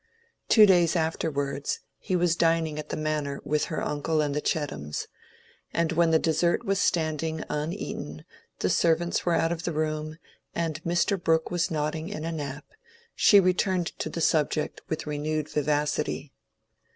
Two days afterwards, he was dining at the Manor with her uncle and the Chettams, and when the dessert was standing uneaten, the servants were out of the room, and Mr. Brooke was nodding in a nap, she returned to the subject with renewed vivacity.